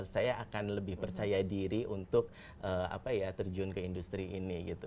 saya akan lebih percaya diri untuk terjun ke industri ini gitu